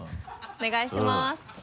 お願いします。